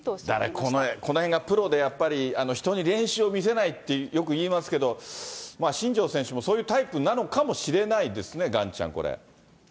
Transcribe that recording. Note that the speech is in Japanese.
だからこのへんがプロで、やっぱり人に練習を見せないって、よく言いますけど、新庄選手もそういうタイプなのかもしれないですね、ガンちゃん、これ。